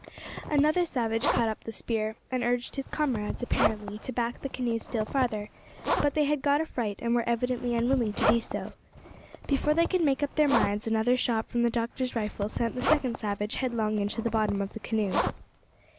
Another savage caught up the spear, and urged his comrades, apparently, to back the canoe still further; but they had got a fright, and were evidently unwilling to do so. Before they could make up their minds, another shot from the doctor's rifle sent the second savage headlong into the bottom of the canoe.